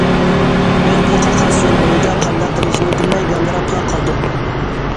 بىز بۇ قاقاس يول بۇيىدا قانداق قىلىشنى بىلمەي گاڭگىراپلا قالدۇق.